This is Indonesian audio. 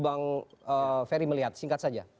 bang ferry melihat singkat saja